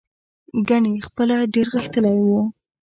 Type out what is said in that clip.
ګنې خپله ډېر غښتلی و.